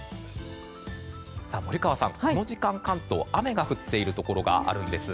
森川さん、この時間関東は雨が降っているところがあるんです。